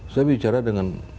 saya bicara dengan